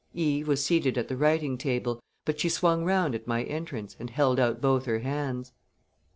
Eve was seated at the writing table, but she swung round at my entrance and held out both her hands.